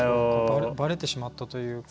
ばれてしまったというか。